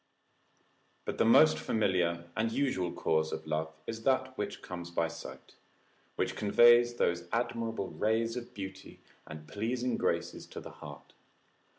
But the most familiar and usual cause of love is that which comes by sight, which conveys those admirable rays of beauty and pleasing graces to the heart.